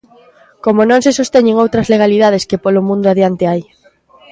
Como non se sosteñen outras legalidades que polo mundo adiante hai.